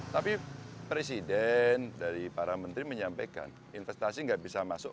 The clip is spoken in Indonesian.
tapi presiden dari para menteri menyampaikan investasi tidak bisa masuk